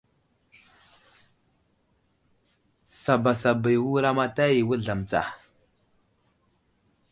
Sabasaba i wulamataya i wuzlam tsa.